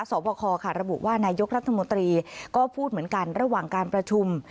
สอบคอค่ะระบุว่านายกรัฐมนตรีก็พูดเหมือนกันระหว่างการประชุม